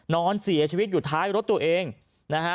นอนเสียชีวิตอยู่ท้ายรถตัวเองนะฮะ